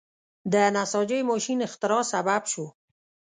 د نساجۍ ماشین اختراع سبب شو.